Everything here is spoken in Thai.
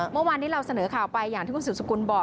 เมื่อวานนี้เราเสนอข่าวไปอย่างที่คุณสืบสกุลบอก